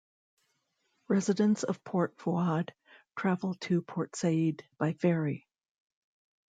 Residents of Port Fouad travel to Port Said by ferry.